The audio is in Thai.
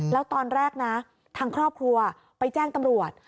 แล้วตอนแรกนะทางครอบครัวไปแจ้งตำรวจ